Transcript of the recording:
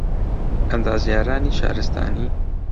ئەندازیارانی شارستانی